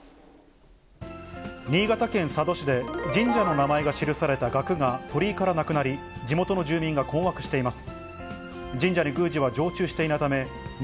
新潟県佐渡市で、神社の名前が記された額が鳥居からなくなり、地元の住民が困惑しています。